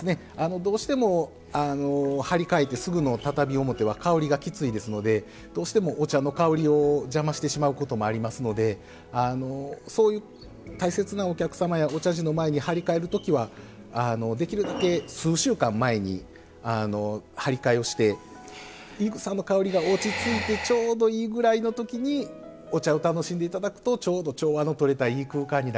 どうしても張り替えてすぐの畳表は香りがきついですのでどうしてもお茶の香りを邪魔してしまうこともありますのでそういう大切なお客様やお茶事の前に張り替える時はできるだけ数週間前に張り替えをしてい草の香りが落ち着いてちょうどいいぐらいの時にお茶を楽しんで頂くとちょうど調和のとれたいい空間になります。